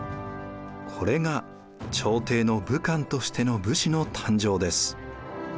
これが朝廷の武官としての武士の誕生です。